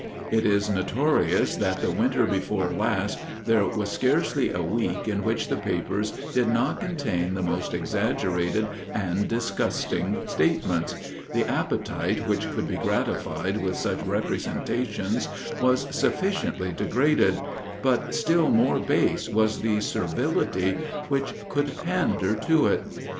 It is notorious that the winter before last there was scarcely a week in which the papers did not contain the most exaggerated and disgusting statements: the appetite which could be gratified with such representations, was sufficiently degraded: but still more base was the servility which could pander to it.